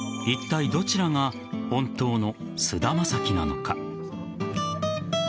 いったいどちらが本当の菅田将暉なのか。